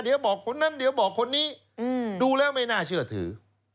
เดี๋ยวบอกคนนั้นเดี๋ยวบอกคนนี้ดูแล้วไม่น่าเชื่อถือ